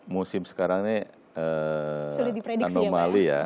musim sekarang ini anomali ya